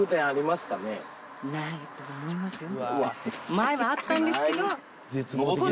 前はあったんですけど。